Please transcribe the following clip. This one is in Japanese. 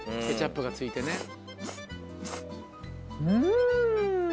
ケチャップがついてね。